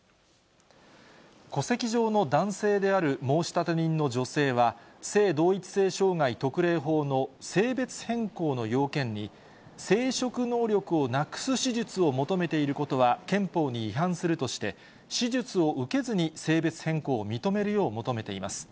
戸籍上の男性である申立人の女性は、性同一性障害特例法の性別変更の要件に、生殖能力をなくす手術を求めていることは憲法に違反するとして、手術を受けずに性別変更を認めるよう求めています。